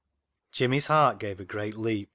Jimmy's heart gave a great leap.